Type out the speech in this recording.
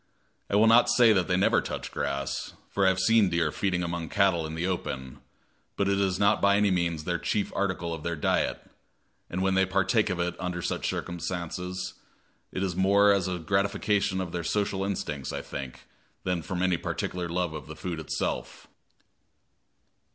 I will not say that they never touch grass, for I have seen deer feeding among cattle in the open, but it is not by any means the chief article of their diet, and when they partake of it under such circumstances, it is more as a gratification of their social instincts, I think, than from any particular love of the food itself.